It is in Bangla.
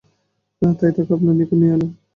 তাই তাকে আপনার নিকট নিয়ে এলাম।